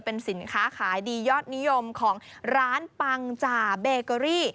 เป็นสินค้าขายดียอดนิยมของร้านปังจ่าเบเกอรี่